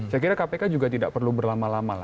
saya kira kpk juga tidak perlu berlama lama lah